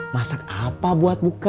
masak apa buat buka